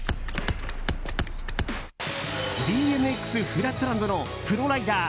ＢＭＸフラットランドのプロライダー